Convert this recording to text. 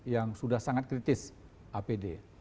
yang sudah sangat kritis apd